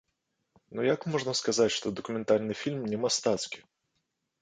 Ну як можна сказаць, што дакументальны фільм не мастацкі?!